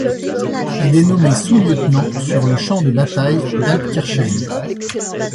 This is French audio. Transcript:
Il est nommé sous-lieutenant sur le champ de bataille d'Altkirchen.